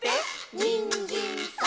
「にんじんさん」